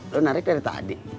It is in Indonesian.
lu narik dari tadi